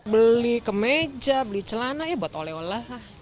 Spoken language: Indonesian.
beli kemeja beli celana ya buat oleh olah